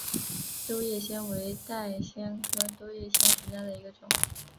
兜叶藓为带藓科兜叶藓属下的一个种。